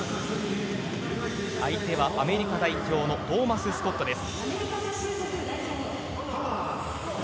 相手はアメリカ代表のトーマス・スコットです。